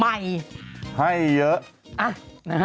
ข้าวใส่ไข่สดใหม่ให้เยอะ